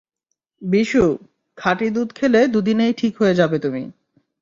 বিশু, খাঁটি দুধ খেলে দুদিনেই ঠিক হয়ে যাবে তুমি।